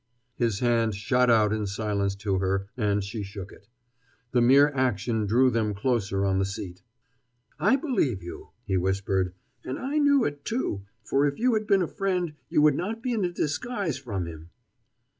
His hand shot out in silence to her, and she shook it. The mere action drew them closer on the seat. "I believe you," he whispered, "and I knew it, too, for if you had been a friend you would not be in a disguise from him."